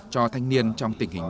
cho thanh niên trong tỉnh hà nội